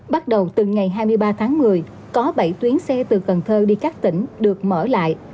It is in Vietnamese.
bắt đầu từ ngày hai mươi ba tháng một mươi có bảy tuyến xe từ cần thơ đi các tỉnh được mở lại